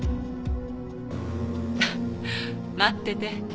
フッ待ってて。